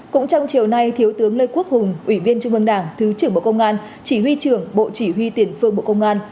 cũng trong chiều nay thiếu tướng lê quốc hùng ủy viên trung ương đảng thứ trưởng bộ công an chỉ huy trưởng bộ chỉ huy tiền phương bộ công an